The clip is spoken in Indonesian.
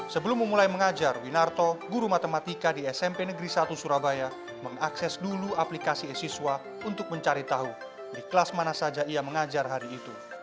sebelum memulai mengajar winarto guru matematika di smp negeri satu surabaya mengakses dulu aplikasi e siswa untuk mencari tahu di kelas mana saja ia mengajar hari itu